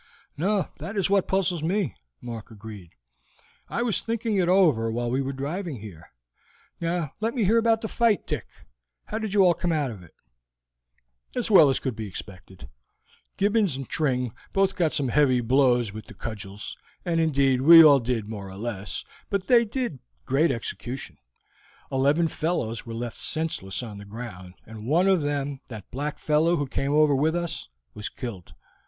"No, that is what puzzles me," Mark agreed. "I was thinking it over while we were driving here. Now let me hear about the fight, Dick. How did you all come out of it?" "As well as could be expected. Gibbons and Tring both got some heavy blows with the cudgels, as indeed we all did more or less, but they did great execution. Eleven fellows were left senseless on the ground, and one of them, that black fellow who came over with us, was killed.